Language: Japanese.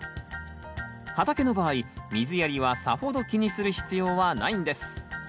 畑の場合水やりはさほど気にする必要はないんです。